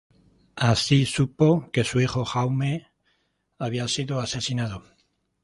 Así supo que su hijo Jaume había sido asesinado.